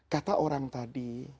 kata orang tadi